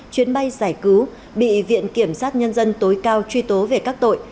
chuyến bay giải cứu bị viện kiểm sát nhân dân tối cao truy tố về các tội